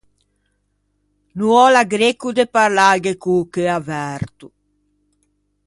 No ò l’agrecco de parlâghe co-o cheu averto.